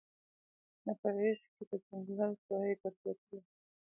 نه په غېږ کي د ځنګله سوای ګرځیدلای